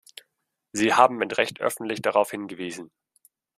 Sie haben mit Recht öffentlich darauf hingewiesen.